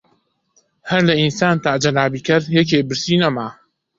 هەر لە ئینسان تا جەنابی کەر یەکێ برسی نەما